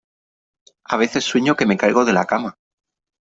A veces sueño que me caigo de la cama.